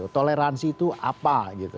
toleransi itu apa